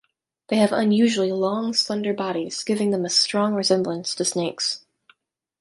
They have unusually long, slender bodies, giving them a strong resemblance to snakes.